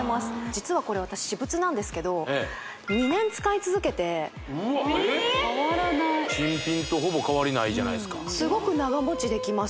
実はこれ私私物なんですけど２年使い続けてうわっ変わらない新品とほぼ変わりないじゃないすごく長持ちできます